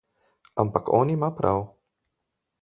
Ampak on ima prav.